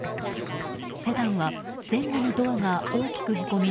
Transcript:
セダンは前後のドアが大きくへこみ